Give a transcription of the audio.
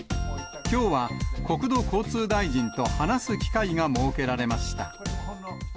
きょうは、国土交通大臣と話す機会が設けられました。